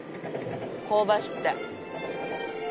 香ばしくて。